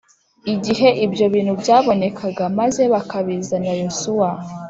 Igihe ibyo bintu byabonekaga maze bakabizanira Yosuwa